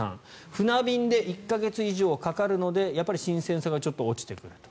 船便で１か月以上かかるのでやっぱり新鮮さがちょっと落ちてくると。